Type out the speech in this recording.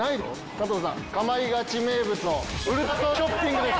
加藤さん『かまいガチ』名物のウルトラソウルショッピングです。